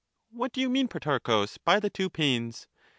What do you mean, Protarchus, by the two pains?